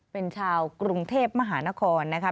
เป็นชาวกรุงเทพมหานครนะคะ